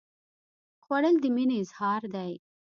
خوړل د مینې اظهار دی